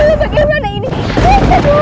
nimes mari biar aku bantu